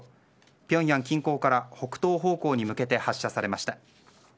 ピョンヤン近郊から北東方向に向けて発射されました。